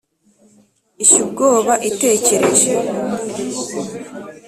ishya ubwoba itekereje